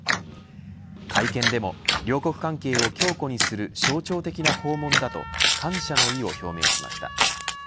会見でも両国関係を強固にする象徴的な訪問だと感謝の意を表明しました。